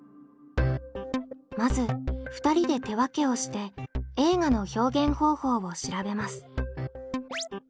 まず２人で手分けをして「映画の表現方法」を調べます。